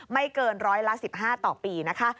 ไม่เกินร้อยละ๑๕ต่อปีนะคะ